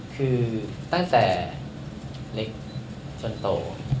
คือตั้งแต่เล็กจนโต